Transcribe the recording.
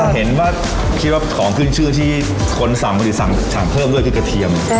เห็นว่าคือว่าของขึ้นชื่อที่คนสั่งด้วยก็คือกระเทียม